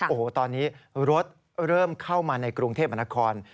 โอ้โหตอนนี้รถเริ่มเข้ามาในกรุงเทพมนาคม